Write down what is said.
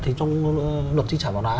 thì trong luật di sản văn hóa